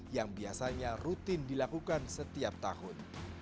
yang biasanya rutin dilakukan setiap tahun